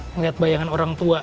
ngeliat bayangan orang tua